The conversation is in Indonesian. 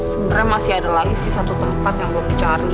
sebenarnya masih ada lagi sih satu tempat yang belum dicari